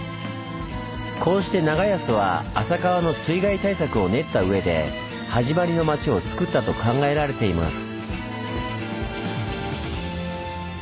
こうして長安は浅川の水害対策を練ったうえではじまりの町をつくったと考えられています。